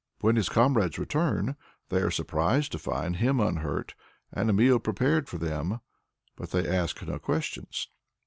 When his comrades return, they are surprised to find him unhurt, and a meal prepared for them, but they ask no questions.